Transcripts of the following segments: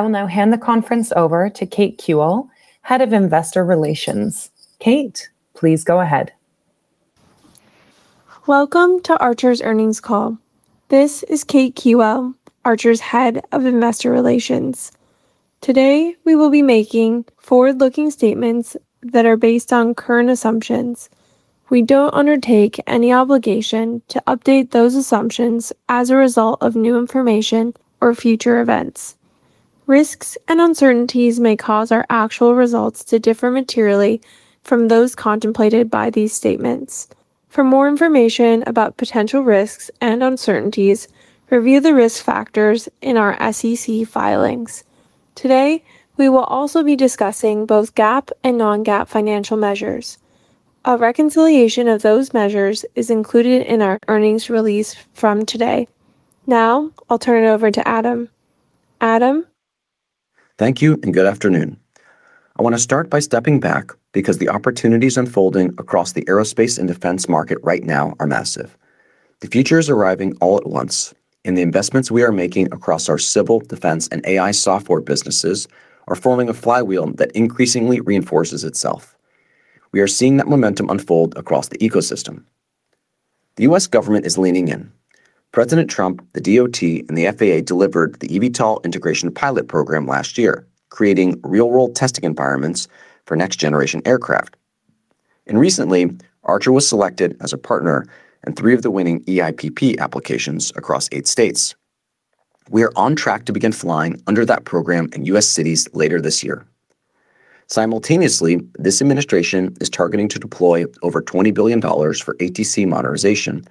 I'll now hand the conference over to Kate Kiewel, Head of Investor Relations. Kate, please go ahead. Welcome to Archer's earnings call. This is Kate Kiewel, Archer's Head of Investor Relations. Today, we will be making forward-looking statements that are based on current assumptions. We don't undertake any obligation to update those assumptions as a result of new information or future events. Risks and uncertainties may cause our actual results to differ materially from those contemplated by these statements. For more information about potential risks and uncertainties, review the risk factors in our SEC filings. Today, we will also be discussing both GAAP and non-GAAP financial measures. A reconciliation of those measures is included in our earnings release from today. Now, I'll turn it over to Adam. Adam? Thank you and good afternoon. I want to start by stepping back because the opportunities unfolding across the aerospace and defense market right now are massive. The future is arriving all at once. The investments we are making across our civil, defense, and AI software businesses are forming a flywheel that increasingly reinforces itself. We are seeing that momentum unfold across the ecosystem. The U.S. government is leaning in. President Trump, the DOT, and the FAA delivered the eVTOL Integration Pilot Program last year, creating real-world testing environments for next generation aircraft. Recently, Archer was selected as a partner in three of the winning eIPP applications across eight states. We are on track to begin flying under that program in U.S. cities later this year. Simultaneously, this administration is targeting to deploy over $20 billion for ATC modernization,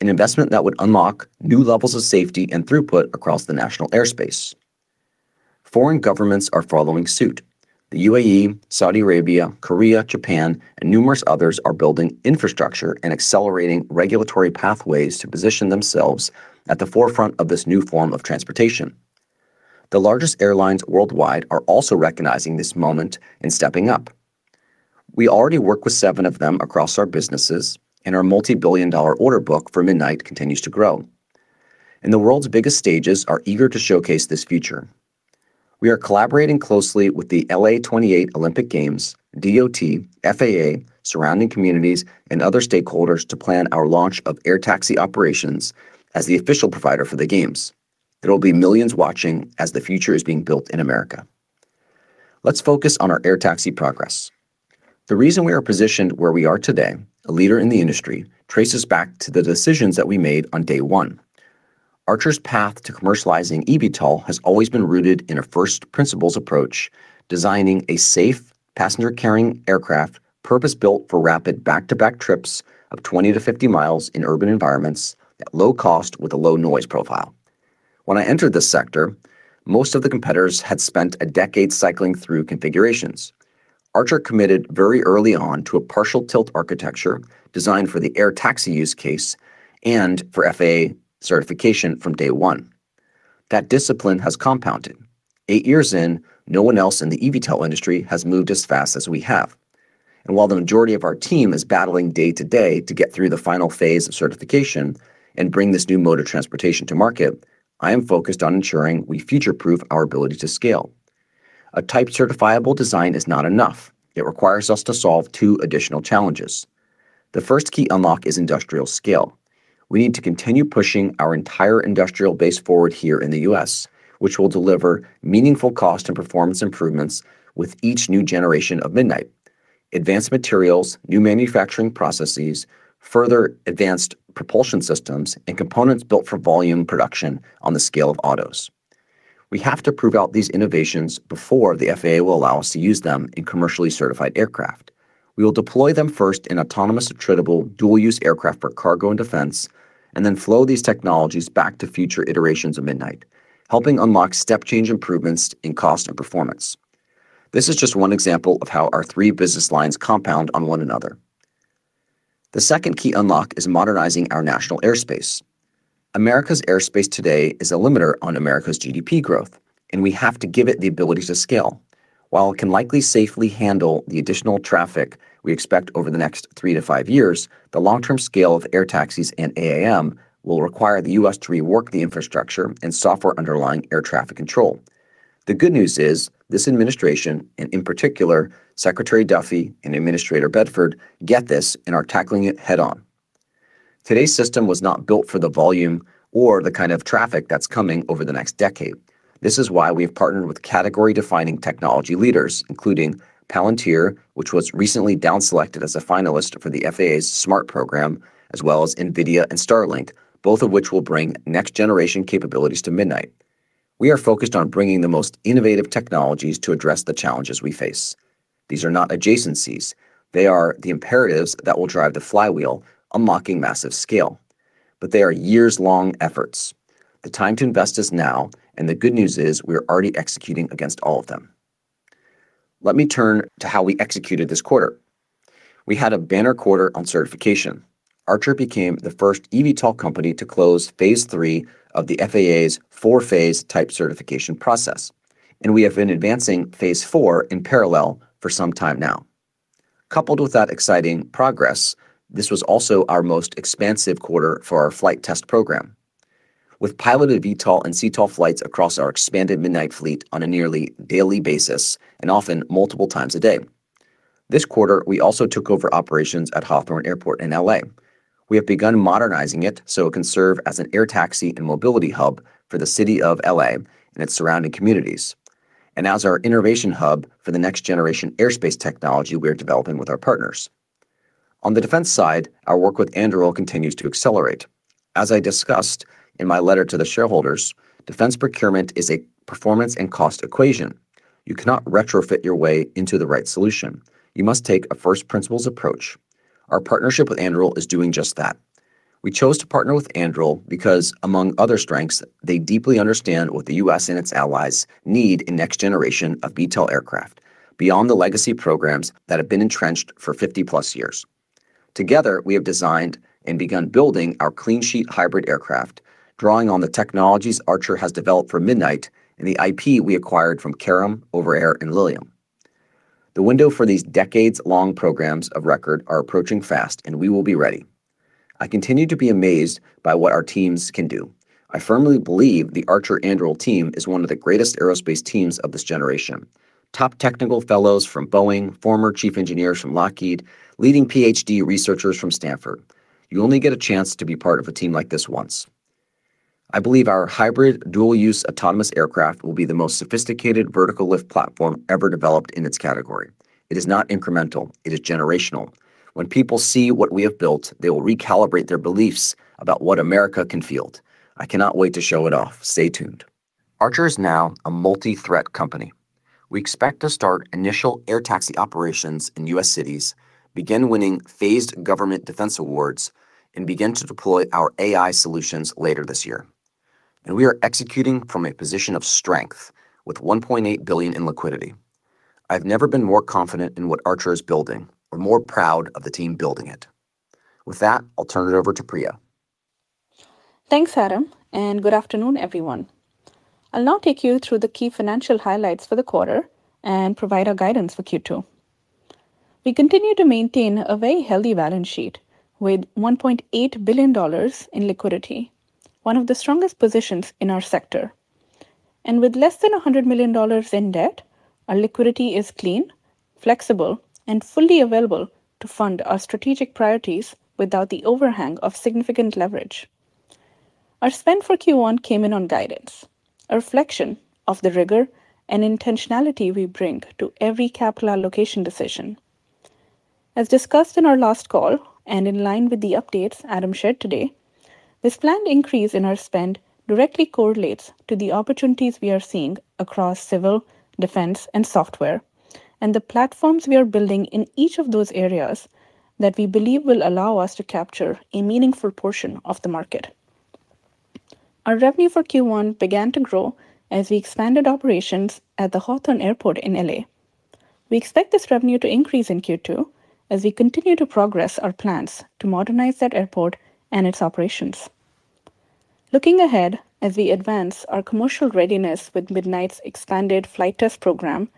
an investment that would unlock new levels of safety and throughput across the national airspace. Foreign governments are following suit. The UAE, Saudi Arabia, Korea, Japan, and numerous others are building infrastructure and accelerating regulatory pathways to position themselves at the forefront of this new form of transportation. The largest airlines worldwide are also recognizing this moment and stepping up. We already work with seven of them across our businesses, and our multi-billion dollar order book for Midnight continues to grow. The world's biggest stages are eager to showcase this future. We are collaborating closely with the L.A. 2028 Olympic Games, DOT, FAA, surrounding communities, and other stakeholders to plan our launch of air taxi operations as the official provider for the games. There will be millions watching as the future is being built in America. Let's focus on our air taxi progress. The reason we are positioned where we are today, a leader in the industry, traces back to the decisions that we made on day one. Archer's path to commercializing eVTOL has always been rooted in a first principles approach, designing a safe passenger-carrying aircraft purpose-built for rapid back-to-back trips of 20 mi-50 mi in urban environments at low cost with a low noise profile. When I entered this sector, most of the competitors had spent a decade cycling through configurations. Archer committed very early on to a partial tilt architecture designed for the air taxi use case and for FAA certification from day one. That discipline has compounded. Eight years in, no one else in the eVTOL industry has moved as fast as we have. While the majority of our team is battling day to day to get through the final phase of certification and bring this new mode of transportation to market, I am focused on ensuring we future-proof our ability to scale. A type certifiable design is not enough. It requires us to solve two additional challenges. The first key unlock is industrial scale. We need to continue pushing our entire industrial base forward here in the U.S., which will deliver meaningful cost and performance improvements with each new generation of Midnight. Advanced materials, new manufacturing processes, further advanced propulsion systems, and components built for volume production on the scale of autos. We have to prove out these innovations before the FAA will allow us to use them in commercially certified aircraft. We will deploy them first in autonomous attritable dual-use aircraft for cargo and defense, and then flow these technologies back to future iterations of Midnight, helping unlock step change improvements in cost and performance. This is just one example of how our three business lines compound on one another. The second key unlock is modernizing our national airspace. America's airspace today is a limiter on America's GDP growth, and we have to give it the ability to scale. While it can likely safely handle the additional traffic we expect over the next three to five years, the long-term scale of air taxis and AAM will require the U.S. to rework the infrastructure and software underlying air traffic control. The good news is this administration, and in particular, Secretary Duffy and Administrator Bedford, get this and are tackling it head-on. Today's system was not built for the volume or the kind of traffic that's coming over the next decade. This is why we've partnered with category-defining technology leaders, including Palantir, which was recently down selected as a finalist for the FAA's SMART program, as well as NVIDIA and Starlink, both of which will bring next generation capabilities to Midnight. We are focused on bringing the most innovative technologies to address the challenges we face. These are not adjacencies. They are the imperatives that will drive the flywheel, unlocking massive scale. They are years-long efforts. The time to invest is now, and the good news is we are already executing against all of them. Let me turn to how we executed this quarter. We had a banner quarter on certification. Archer became the first eVTOL company to close Phase 3 of the FAA's 4-Phase type certification process, and we have been advancing Phase 4 in parallel for some time now. Coupled with that exciting progress, this was also our most expansive quarter for our flight test program. With piloted VTOL and CTOL flights across our expanded Midnight fleet on a nearly daily basis, and often multiple times a day. This quarter, we also took over operations at Hawthorne Airport in L.A. We have begun modernizing it so it can serve as an air taxi and mobility hub for the city of L.A. and its surrounding communities, and as our innovation hub for the next generation airspace technology we are developing with our partners. On the defense side, our work with Anduril continues to accelerate. As I discussed in my letter to the shareholders, defense procurement is a performance and cost equation. You cannot retrofit your way into the right solution. You must take a first principles approach. Our partnership with Anduril is doing just that. We chose to partner with Anduril because, among other strengths, they deeply understand what the U.S. and its allies need in next generation of VTOL aircraft, beyond the legacy programs that have been entrenched for 50+ years. Together, we have designed and begun building our clean sheet hybrid aircraft, drawing on the technologies Archer has developed for Midnight and the IP we acquired from Karem, Overair and Lilium. The window for these decades-long programs of record are approaching fast, and we will be ready. I continue to be amazed by what our teams can do. I firmly believe the Archer Anduril team is one of the greatest aerospace teams of this generation. Top technical fellows from Boeing, former chief engineers from Lockheed, leading PhD researchers from Stanford. You only get a chance to be part of a team like this once. I believe our hybrid dual use autonomous aircraft will be the most sophisticated vertical lift platform ever developed in its category. It is not incremental, it is generational. When people see what we have built, they will recalibrate their beliefs about what America can field. I cannot wait to show it off. Stay tuned. Archer is now a multi-threat company. We expect to start initial air taxi operations in U.S. cities, begin winning phased government defense awards, and begin to deploy our AI solutions later this year. We are executing from a position of strength with $1.8 billion in liquidity. I've never been more confident in what Archer is building or more proud of the team building it. With that, I'll turn it over to Priya. Thanks, Adam, good afternoon, everyone. I'll now take you through the key financial highlights for the quarter and provide our guidance for Q2. We continue to maintain a very healthy balance sheet with $1.8 billion in liquidity, one of the strongest positions in our sector. With less than $100 million in debt, our liquidity is clean, flexible and fully available to fund our strategic priorities without the overhang of significant leverage. Our spend for Q1 came in on guidance, a reflection of the rigor and intentionality we bring to every capital allocation decision. As discussed in our last call, and in line with the updates Adam shared today, this planned increase in our spend directly correlates to the opportunities we are seeing across civil, defense and software, and the platforms we are building in each of those areas that we believe will allow us to capture a meaningful portion of the market. Our revenue for Q1 began to grow as we expanded operations at the Hawthorne Airport in L.A. We expect this revenue to increase in Q2 as we continue to progress our plans to modernize that airport and its operations. Looking ahead, as we advance our commercial readiness with Midnight's expanded flight test program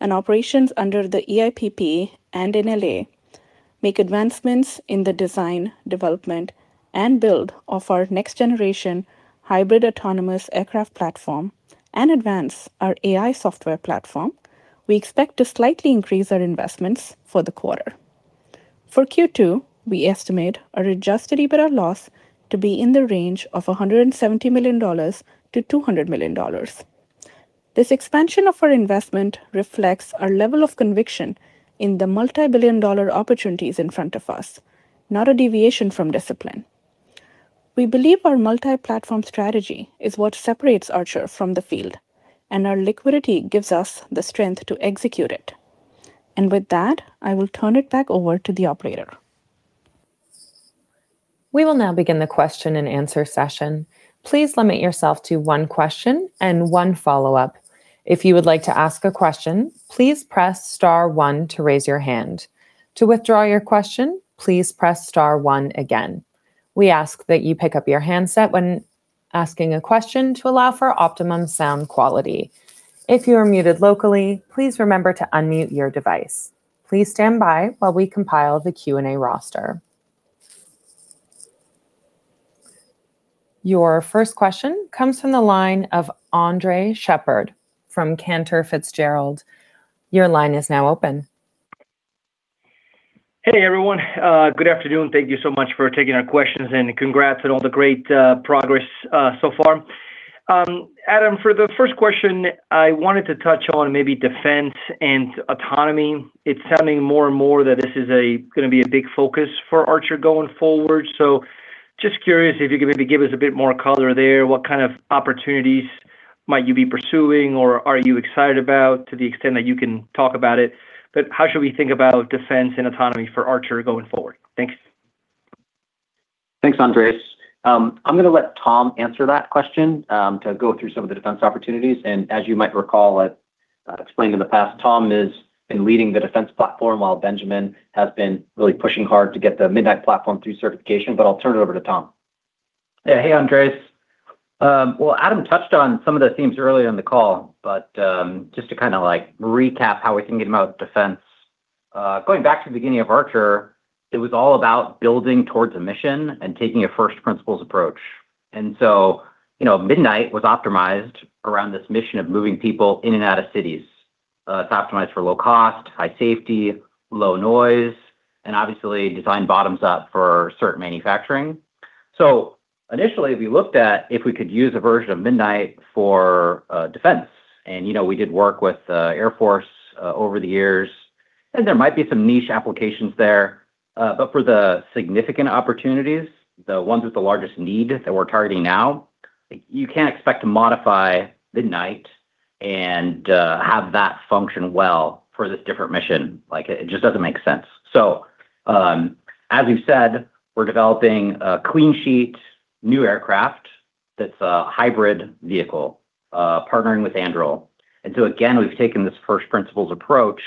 and operations under the eIPP and in L.A. make advancements in the design, development and build of our next generation hybrid autonomous aircraft platform and advance our AI software platform, we expect to slightly increase our investments for the quarter. For Q2, we estimate our adjusted EBITDA loss to be in the range of $170 million-$200 million. This expansion of our investment reflects our level of conviction in the multi-billion dollar opportunities in front of us, not a deviation from discipline. We believe our multi-platform strategy is what separates Archer from the field. Our liquidity gives us the strength to execute it. With that, I will turn it back over to the operator. We will now begin the question and answer session. Please limit yourself to one question and one follow-up. If you would like to ask a question, please press star one to raise your hand. To withdraw your question, please press star one again. We ask that you pick up your handset when asking a question to allow for optimum sound quality. If you are muted locally, please remember to unmute your device. Please stand by while we compile the Q&A roster. Your first question comes from the line of Andres Sheppard from Cantor Fitzgerald. Your line is now open. Hey, everyone. Good afternoon. Thank you so much for taking our questions, and congrats on all the great progress so far. Adam, for the first question, I wanted to touch on maybe defense and autonomy. It's sounding more and more that this is gonna be a big focus for Archer going forward. Just curious if you could maybe give us a bit more color there. What kind of opportunities might you be pursuing or are you excited about to the extent that you can talk about it? How should we think about defense and autonomy for Archer going forward? Thanks. Thanks, Andres. I'm going to let Tom answer that question to go through some of the defense opportunities. As you might recall, I've explained in the past, Tom has been leading the defense platform while Benjamin has been really pushing hard to get the Midnight platform through certification, but I'll turn it over to Tom. Yeah. Hey, Andres. Well, Adam touched on some of the themes earlier in the call, just to kind of like recap how we can get them out defense. Going back to the beginning of Archer, it was all about building towards a mission and taking a first principles approach. You know, Midnight was optimized around this mission of moving people in and out of cities. It's optimized for low cost, high safety, low noise, and obviously designed bottoms up for certain manufacturing. Initially, we looked at if we could use a version of Midnight for defense. You know, we did work with the Air Force over the years, and there might be some niche applications there. For the significant opportunities, the ones with the largest need that we're targeting now, like you can't expect to modify Midnight and have that function well for this different mission. It just doesn't make sense. As we've said, we're developing a clean sheet new aircraft that's a hybrid vehicle, partnering with Anduril. Again, we've taken this first principles approach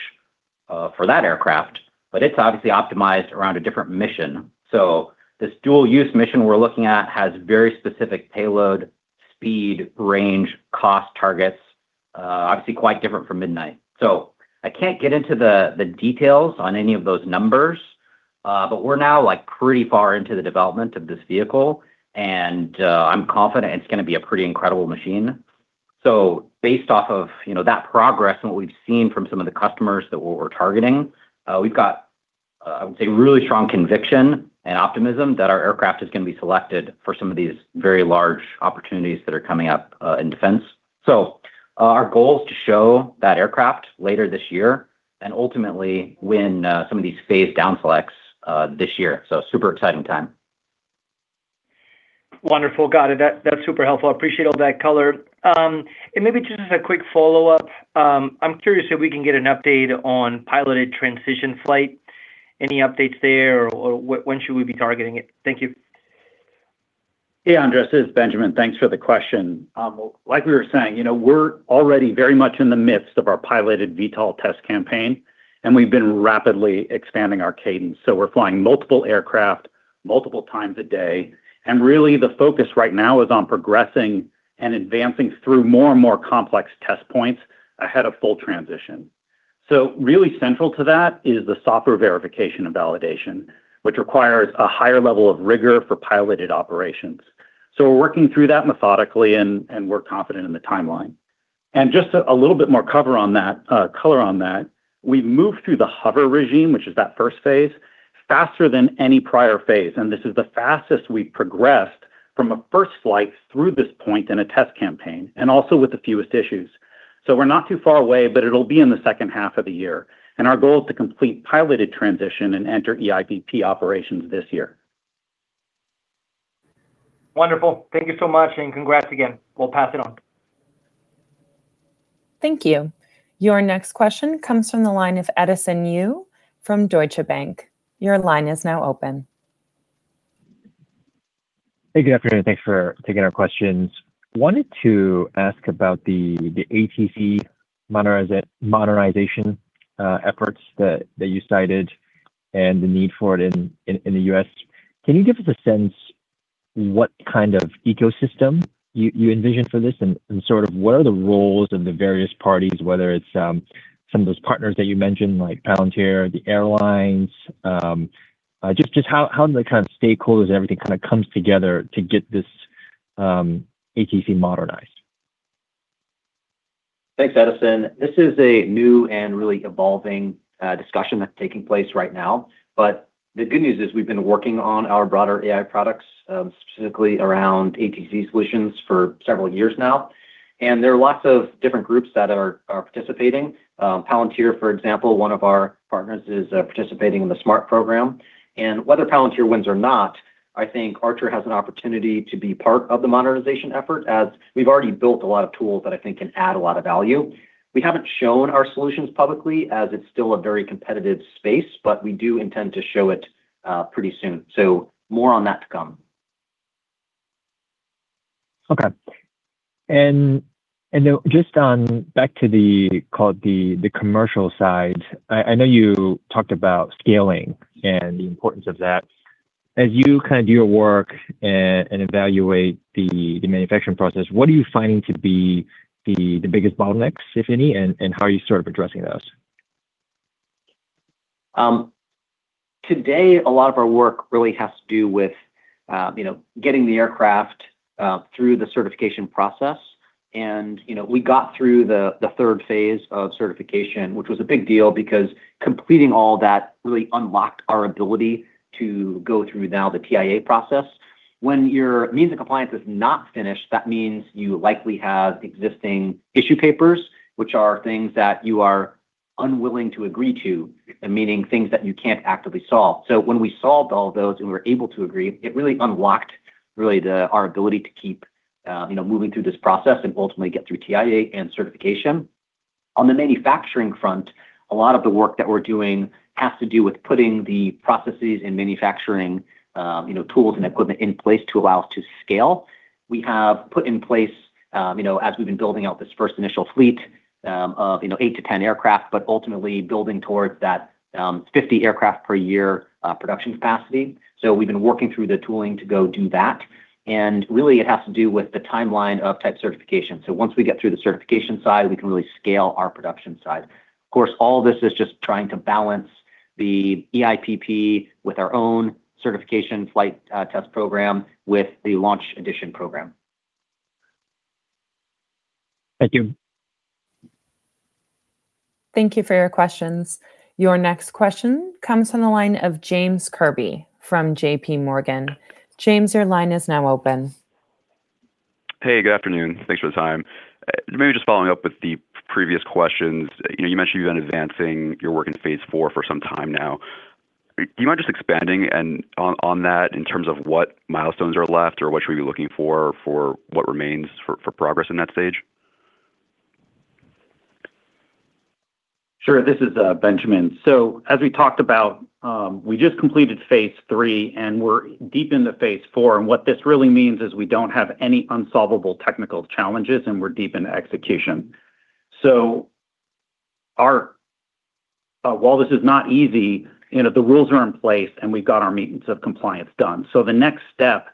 for that aircraft, but it's obviously optimized around a different mission. This dual use mission we're looking at has very specific payload, speed, range, cost targets, obviously quite different from Midnight. I can't get into the details on any of those numbers, but we're now like pretty far into the development of this vehicle, and I'm confident it's going to be a pretty incredible machine. Based off of, you know, that progress and what we've seen from some of the customers that we're targeting, we've got a really strong conviction and optimism that our aircraft is going to be selected for some of these very large opportunities that are coming up in defense. Our goal is to show that aircraft later this year and ultimately win some of these phased down-selects this year. Super exciting time. Wonderful. Got it. That's super helpful. I appreciate all that color. Maybe just as a quick follow-up, I'm curious if we can get an update on piloted transition flight. Any updates there, or when should we be targeting it? Thank you. Yeah, Andres. This is Benjamin. Thanks for the question. Like we were saying, you know, we're already very much in the midst of our piloted VTOL test campaign, and we've been rapidly expanding our cadence. We're flying multiple aircraft multiple times a day. Really the focus right now is on progressing and advancing through more and more complex test points ahead of full transition. Really central to that is the software verification and validation, which requires a higher level of rigor for piloted operations. We're working through that methodically and we're confident in the timeline. Just a little bit more color on that, we've moved through the hover regime, which is that first phase, faster than any prior phase. This is the fastest we've progressed from a first flight through this point in a test campaign and also with the fewest issues. We're not too far away, but it'll be in the second half of the year. Our goal is to complete piloted transition and enter eIPP operations this year. Wonderful. Thank you so much, and congrats again. We'll pass it on. Thank you. Your next question comes from the line of Edison Yu from Deutsche Bank. Your line is now open. Hey, good afternoon. Thanks for taking our questions. Wanted to ask about the ATC modernization efforts that you cited and the need for it in the U.S. Can you give us a sense what kind of ecosystem you envision for this and sort of what are the roles of the various parties, whether it's some of those partners that you mentioned like Palantir, the airlines, just how the kind of stakeholders, everything kind of comes together to get this ATC modernized? Thanks, Edison. This is a new and really evolving discussion that's taking place right now. The good news is we've been working on our broader AI products, specifically around ATC solutions for several years now. There are lots of different groups that are participating. Palantir, for example, one of our partners, is participating in the SMART program. Whether Palantir wins or not, I think Archer has an opportunity to be part of the modernization effort, as we've already built a lot of tools that I think can add a lot of value. We haven't shown our solutions publicly as it's still a very competitive space, but we do intend to show it pretty soon. More on that to come. Okay. Just on back to the commercial side, I know you talked about scaling and the importance of that. As you kind of do your work and evaluate the manufacturing process, what are you finding to be the biggest bottlenecks, if any? How are you sort of addressing those? Today a lot of our work really has to do with, you know, getting the aircraft through the certification process. You know, we got through the third phase of certification, which was a big deal because completing all that really unlocked our ability to go through now the TIA process. When your means of compliance is not finished, that means you likely have existing issue papers, which are things that you are unwilling to agree to, meaning things that you can't actively solve. When we solved all those and we were able to agree, it really unlocked really our ability to keep, you know, moving through this process and ultimately get through TIA and certification. On the manufacturing front, a lot of the work that we're doing has to do with putting the processes and manufacturing, you know, tools and equipment in place to allow us to scale. We have put in place, you know, as we've been building out this first initial fleet of, you know, eight to 10 aircraft, but ultimately building towards that, 50 aircraft per year, production capacity. We've been working through the tooling to go do that, and really it has to do with the timeline of type certification. Once we get through the certification side, we can really scale our production side. Of course, all this is just trying to balance the eIPP with our own certification flight, test program with the Launch Edition program. Thank you. Thank you for your questions. Your next question comes from the line of James Kirby from JPMorgan. James, your line is now open. Hey, good afternoon. Thanks for the time. Maybe just following up with the previous questions. You know, you mentioned you've been advancing your work in phase IV for some time now. Do you mind just expanding on that in terms of what milestones are left or what should we be looking for for what remains for progress in that stage? Sure. This is Benjamin. As we talked about, we just completed Phase 3, and we're deep into Phase 4, and what this really means is we don't have any unsolvable technical challenges and we're deep into execution. Our, while this is not easy, you know, the rules are in place, and we've got our means of compliance done. The next step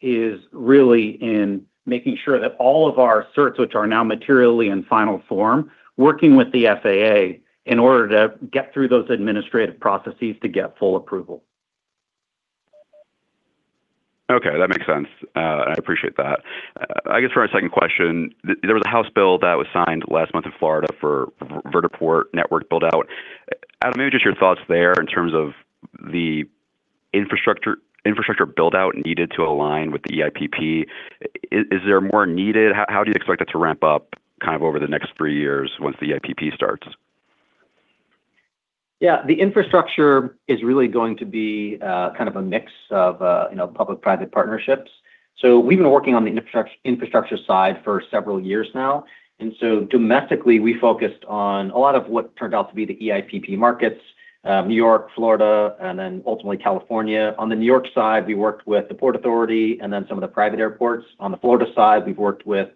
is really in making sure that all of our certs, which are now materially in final form, working with the FAA in order to get through those administrative processes to get full approval. Okay, that makes sense. I appreciate that. I guess for my second question, there was a House bill that was signed last month in Florida for Vertiport network build-out. Adam, maybe just your thoughts there in terms of the infrastructure build-out needed to align with the eIPP. Is there more needed? How do you expect it to ramp up kind of over the next three years once the eIPP starts? The infrastructure is really going to be, kind of a mix of, you know, public-private partnerships. We've been working on the infrastructure side for several years now. Domestically, we focused on a lot of what turned out to be the eIPP markets, New York, Florida, and then ultimately California. On the New York side, we worked with the Port Authority and then some of the private airports. On the Florida side, we've worked with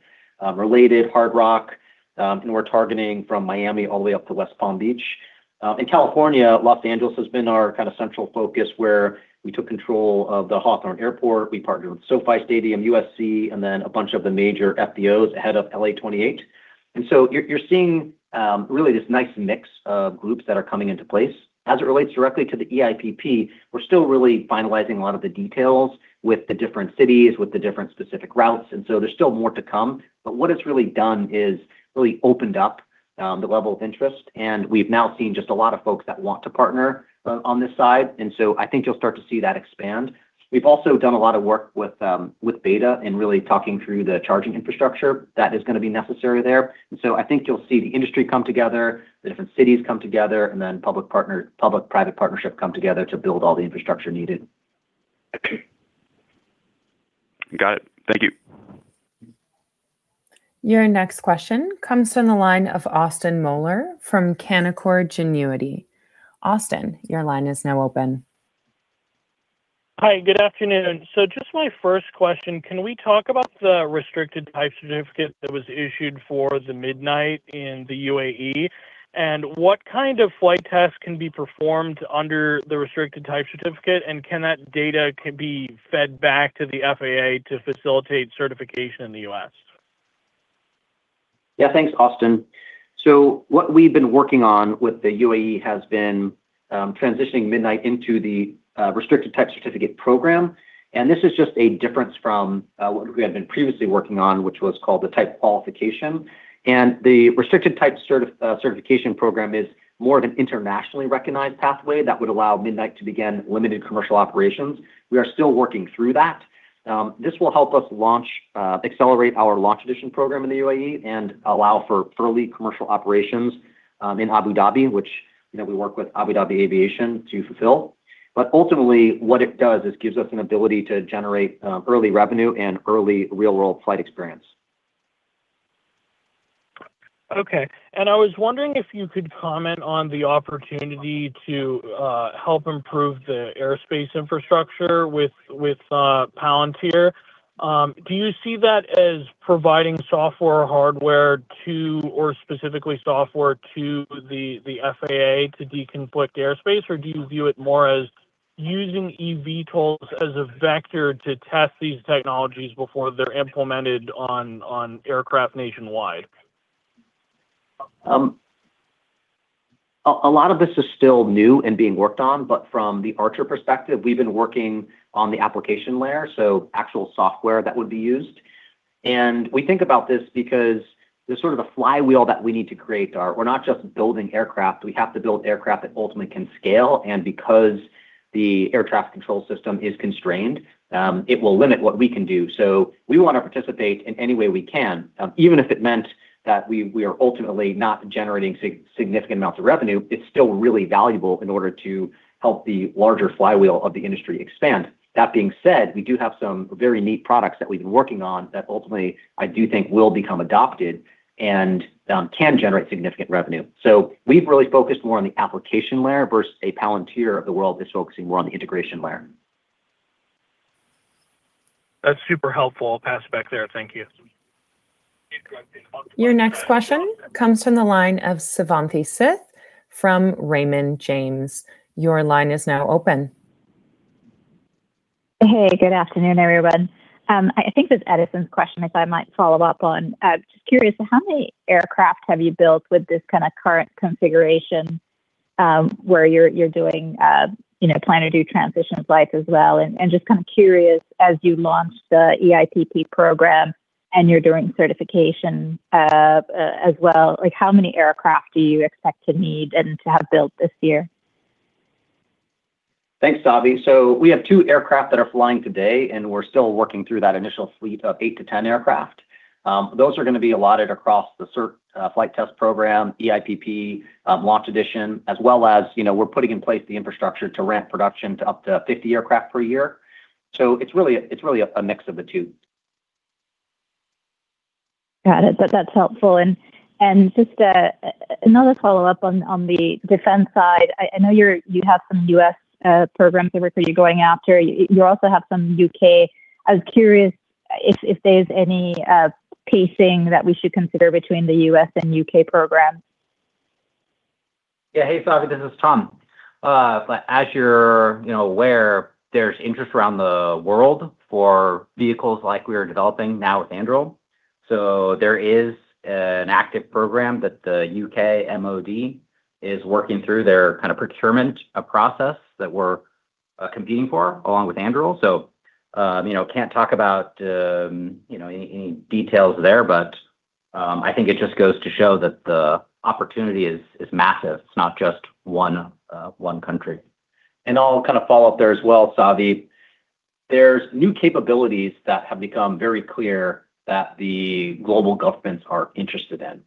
Related, Hard Rock, and we're targeting from Miami all the way up to West Palm Beach. In California, Los Angeles has been our kind of central focus where we took control of the Hawthorne Airport. We partnered with SoFi Stadium, USC, and then a bunch of the major FBOs ahead of L.A. 2028. You're seeing really this nice mix of groups that are coming into place. As it relates directly to the eIPP, we're still really finalizing a lot of the details with the different cities, with the different specific routes, there's still more to come. What it's really done is really opened up the level of interest, and we've now seen just a lot of folks that want to partner on this side. I think you'll start to see that expand. We've also done a lot of work with BETA in really talking through the charging infrastructure that is gonna be necessary there. I think you'll see the industry come together, the different cities come together, and then public-private partnership come together to build all the infrastructure needed. Okay. Got it. Thank you. Your next question comes from the line of Austin Moeller from Canaccord Genuity. Austin, your line is now open. Hi, good afternoon. Just my first question, can we talk about the restricted type certificate that was issued for the Midnight in the UAE, and what kind of flight tests can be performed under the restricted type certificate, and can that data be fed back to the FAA to facilitate certification in the U.S.? Thanks, Austin. What we've been working on with the UAE has been transitioning Midnight into the Restricted Type Certificate program, and this is just a difference from what we had been previously working on, which was called the Type Certificate. The Restricted Type Certification program is more of an internationally recognized pathway that would allow Midnight to begin limited commercial operations. We are still working through that. This will help us launch accelerate our Launch Edition program in the UAE and allow for early commercial operations in Abu Dhabi, which, you know, we work with Abu Dhabi Aviation to fulfill. Ultimately, what it does is gives us an ability to generate early revenue and early real-world flight experience. Okay. I was wondering if you could comment on the opportunity to help improve the aerospace infrastructure with Palantir. Do you see that as providing software or hardware to, or specifically software to the FAA to deconflict airspace, or do you view it more as using eVTOLs as a vector to test these technologies before they're implemented on aircraft nationwide? A lot of this is still new and being worked on, but from the Archer perspective, we've been working on the application layer, so actual software that would be used. We think about this because there's sort of a flywheel that we need to create. We're not just building aircraft. We have to build aircraft that ultimately can scale, and because the air traffic control system is constrained, it will limit what we can do. We want to participate in any way we can. Even if it meant that we are ultimately not generating significant amounts of revenue, it's still really valuable in order to help the larger flywheel of the industry expand. That being said, we do have some very neat products that we've been working on that ultimately I do think will become adopted and can generate significant revenue. We've really focused more on the application layer versus a Palantir of the world that's focusing more on the integration layer. That's super helpful. I'll pass it back there. Thank you. Your next question comes from the line of Savanthi Syth from Raymond James. Your line is now open. Hey, good afternoon, everyone. I think this is Edison's question, if I might follow up on. Just curious, how many aircraft have you built with this kind of current configuration, where you're doing, you know, plan to do transitions life as well? Just kind of curious as you launch the eIPP program and you're doing certification as well, like how many aircraft do you expect to need and to have built this year? Thanks, Savi. We have two aircraft that are flying today, and we're still working through that initial fleet of eight to 10 aircraft. Those are gonna be allotted across the cert, flight test program, eIPP, Launch Edition, as well as, you know, we're putting in place the infrastructure to ramp production to up to 50 aircraft per year. It's really a mix of the two. Got it. That's helpful. Just another follow-up on the defense side. I know you have some U.S. programs everywhere you're going after. You also have some U.K. I was curious if there's any pacing that we should consider between the U.S. and U.K. programs. Yeah. Hey, Savi, this is Tom. As you're, you know, aware, there's interest around the world for vehicles like we are developing now with Anduril. There is an active program that the U.K. MOD is working through their kind of procurement process that we're competing for along with Anduril. You know, can't talk about, you know, any details there, but I think it just goes to show that the opportunity is massive. It's not just one country. I'll kind of follow up there as well, Savi. There's new capabilities that have become very clear that the global governments are interested in.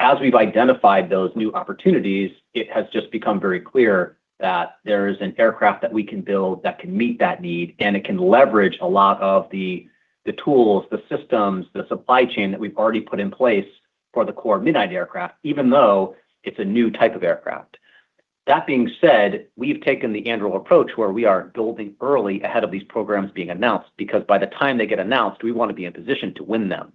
As we've identified those new opportunities, it has just become very clear that there is an aircraft that we can build that can meet that need, and it can leverage a lot of the tools, the systems, the supply chain that we've already put in place for the core Midnight aircraft, even though it's a new type of aircraft. That being said, we've taken the Anduril approach, where we are building early ahead of these programs being announced because by the time they get announced, we wanna be in position to win them.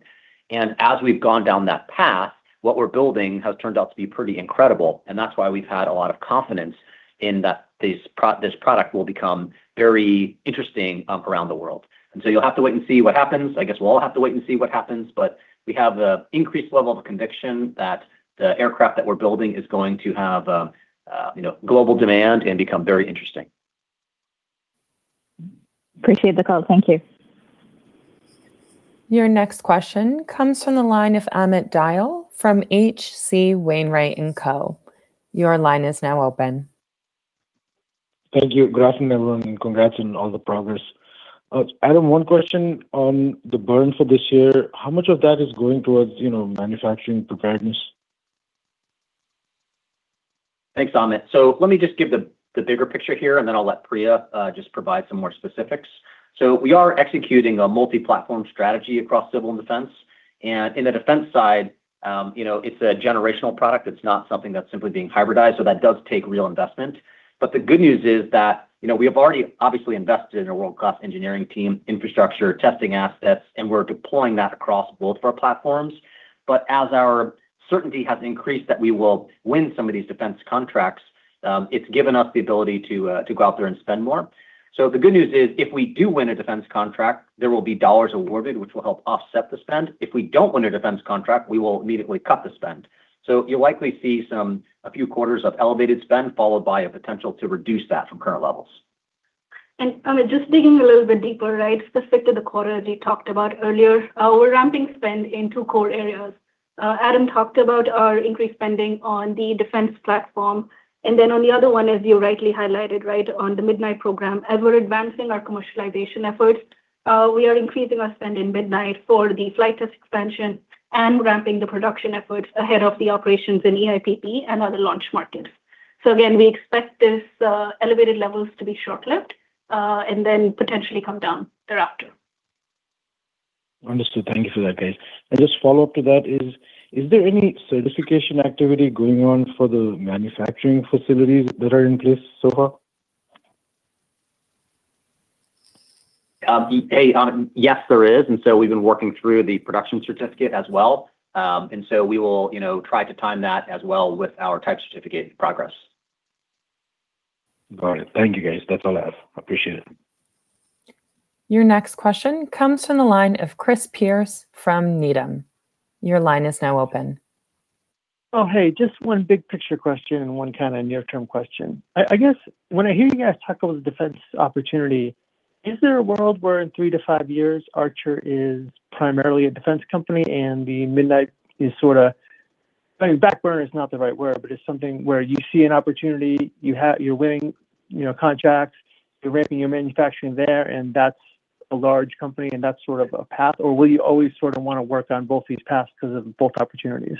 As we've gone down that path, what we're building has turned out to be pretty incredible, and that's why we've had a lot of confidence in that this product will become very interesting around the world. You'll have to wait and see what happens. I guess we'll all have to wait and see what happens, but we have a increased level of conviction that the aircraft that we're building is going to have, you know, global demand and become very interesting. Appreciate the call. Thank you. Your next question comes from the line of Amit Dayal from H.C. Wainwright & Co. Your line is now open. Thank you. Greetings, everyone, and congrats on all the progress. Adam, 1 question on the burn for this year. How much of that is going towards, you know, manufacturing preparedness? Thanks, Amit. Let me just give the bigger picture here, and then I'll let Priya provide some more specifics. We are executing a multi-platform strategy across civil and defense. In the defense side, you know, it's a generational product. It's not something that's simply being hybridized, so that does take real investment. The good news is that, you know, we have already obviously invested in a world-class engineering team, infrastructure, testing assets, and we're deploying that across both of our platforms. As our certainty has increased that we will win some of these defense contracts, it's given us the ability to go out there and spend more. The good news is if we do win a defense contract, there will be dollars awarded, which will help offset the spend. If we don't win a defense contract, we will immediately cut the spend. You'll likely see a few quarters of elevated spend, followed by a potential to reduce that from current levels. Amit, just digging a little bit deeper, right? Specific to the quarter, as you talked about earlier, we're ramping spend in two core areas. Adam talked about our increased spending on the defense platform. On the other one, as you rightly highlighted, right, on the Midnight program. As we're advancing our commercialization efforts, we are increasing our spend in Midnight for the flight test expansion and ramping the production efforts ahead of the operations in eIPP and other launch markets. Again, we expect this elevated levels to be short-lived, and then potentially come down thereafter. Understood. Thank you for that, guys. Just follow-up to that, is there any certification activity going on for the manufacturing facilities that are in place so far? Hey, Amit. Yes, there is. We've been working through the production certificate as well. We will, you know, try to time that as well with our type certificate progress. Got it. Thank you, guys. That's all I have. Appreciate it. Your next question comes from the line of Chris Pierce from Needham. Your line is now open. Oh, hey, just one big picture question and one kind of near-term question. I guess when I hear you guys talk about the defense opportunity, is there a world where in three to five years, Archer is primarily a defense company and the Midnight is sort of I mean, backburner is not the right word, but it's something where you see an opportunity, you're winning, you know, contracts, you're ramping your manufacturing there, and that's a large company, and that's sort of a path? Or will you always sort of wanna work on both these paths because of both opportunities?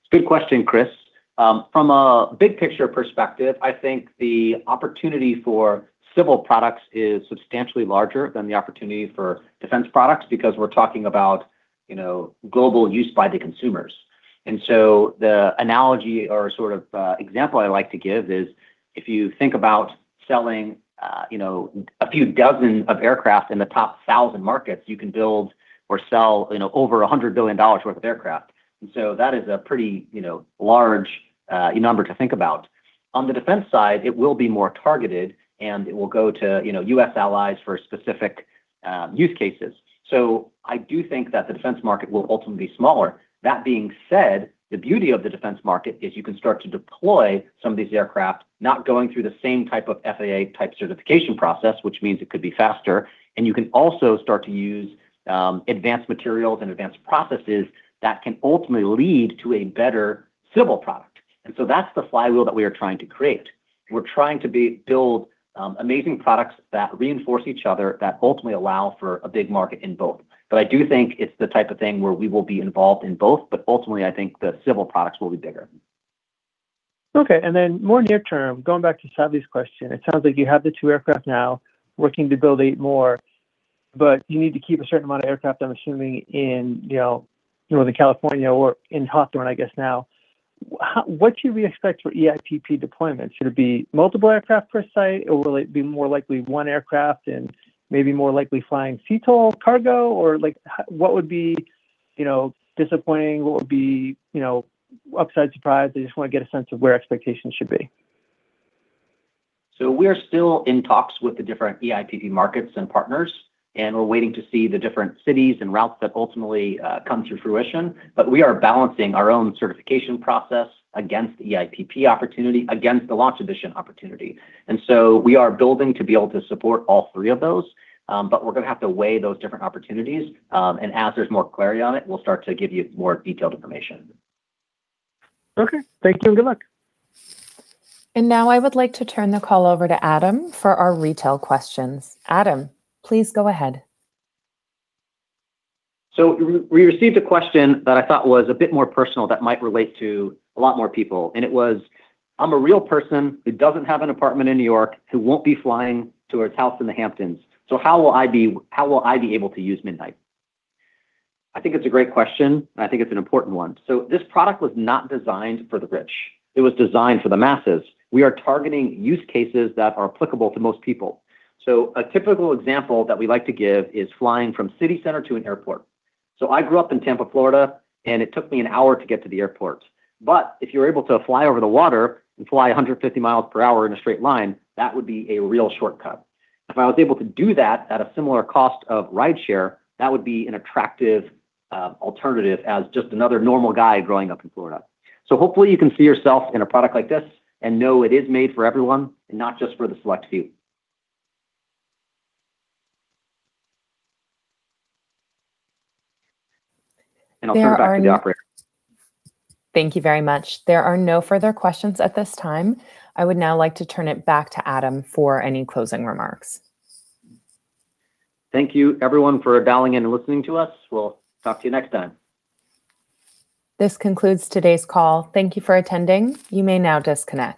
It's a good question, Chris. From a big picture perspective, I think the opportunity for civil products is substantially larger than the opportunity for defense products because we're talking about, you know, global use by the consumers. The analogy or sort of example I like to give is if you think about selling, you know, a few dozen of aircraft in the top 1,000 markets, you can build or sell, you know, over $100 billion worth of aircraft. That is a pretty, you know, large number to think about. On the defense side, it will be more targeted and it will go to, you know, U.S. allies for specific use cases. I do think that the defense market will ultimately be smaller. That being said, the beauty of the defense market is you can start to deploy some of these aircraft not going through the same type of FAA type certification process, which means it could be faster. You can also start to use advanced materials and advanced processes that can ultimately lead to a better civil product. That's the flywheel that we are trying to create. We're trying to build amazing products that reinforce each other, that ultimately allow for a big market in both. I do think it's the type of thing where we will be involved in both, but ultimately I think the civil products will be bigger. Okay. More near term, going back to Savi's question, it sounds like you have the two aircraft now working to build eight more, but you need to keep a certain amount of aircraft, I'm assuming, in, you know, Northern California or in Hawthorne, I guess now. What should we expect for eIPP deployment? Should it be multiple aircraft per site, or will it be more likely one aircraft and maybe more likely flying CTOL cargo? Like what would be, you know, disappointing? What would be, you know, upside surprise? I just want to get a sense of where expectations should be. We are still in talks with the different eIPP markets and partners, and we are waiting to see the different cities and routes that ultimately come to fruition. We are balancing our own certification process against eIPP opportunity, against the Launch Edition opportunity. We are building to be able to support all three of those. We are going to have to weigh those different opportunities. As there is more clarity on it, we will start to give you more detailed information. Okay. Thank you and good luck. Now I would like to turn the call over to Adam for our retail questions. Adam, please go ahead. We received a question that I thought was a bit more personal that might relate to a lot more people, and it was, "I'm a real person who doesn't have an apartment in New York who won't be flying to a house in the Hamptons. How will I be able to use Midnight?" I think it's a great question, and I think it's an important one. This product was not designed for the rich. It was designed for the masses. We are targeting use cases that are applicable to most people. A typical example that we like to give is flying from city center to an airport. I grew up in Tampa, Florida, and it took me an hour to get to the airport. If you're able to fly over the water and fly 150 mi per hour in a straight line, that would be a real shortcut. If I was able to do that at a similar cost of rideshare, that would be an attractive alternative as just another normal guy growing up in Florida. Hopefully you can see yourself in a product like this and know it is made for everyone and not just for the select few. I'll turn back to the operator. Thank you very much. There are no further questions at this time. I would now like to turn it back to Adam for any closing remarks. Thank you everyone for dialing in and listening to us. We'll talk to you next time. This concludes today's call. Thank you for attending. You may now disconnect.